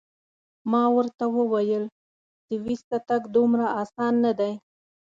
ما ورته وویل: سویس ته تګ دومره اسان نه دی.